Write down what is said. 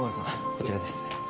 こちらです。